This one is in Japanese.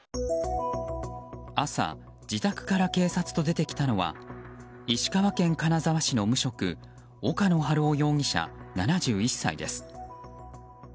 朝、自宅から警察と出てきたのは石川県金沢市の無職岡野晴夫容疑者、７１歳です。